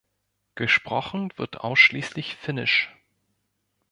Gesprochen wird ausschließlich Finnisch.